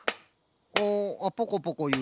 あポコポコいう。